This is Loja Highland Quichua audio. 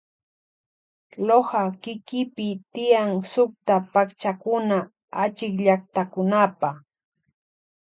Loja kikipi tiyan sukta pakchakuna achikllaktakunapa.